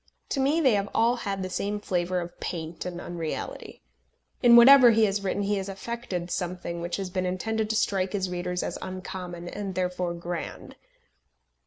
To me they have all had the same flavour of paint and unreality. In whatever he has written he has affected something which has been intended to strike his readers as uncommon and therefore grand.